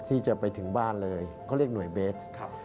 ที่จะไปถึงบ้านเลยเขาเรียกหน่วยเบส